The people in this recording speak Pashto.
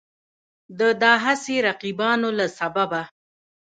د دا هسې رقیبانو له سببه